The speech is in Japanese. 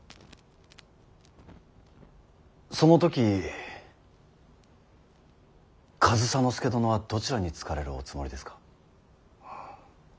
その時上総介殿はどちらにつかれるおつもりですか。